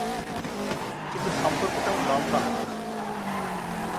কিন্তু সম্পর্ক তেমন লম্বা হয়নি।